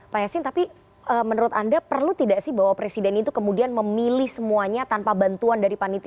pak yasin tapi menurut anda perlu tidak sih bahwa presiden itu kemudian memilih semuanya tanpa bantuan dari panitia